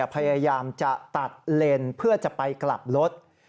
พยายามจะตัดเลนเพื่อจะไปกลับรถ